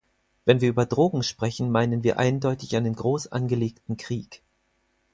Wenn wir über Drogen sprechen, meinen wir eindeutig einen groß angelegten Krieg.